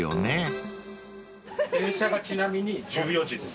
・電車がちなみに１４時です。